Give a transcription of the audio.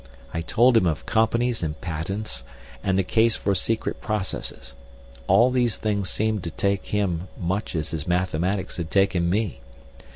I told him of companies and patents, and the case for secret processes. All these things seemed to take him much as his mathematics had taken me.